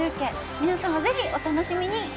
皆さま、ぜひお楽しみに。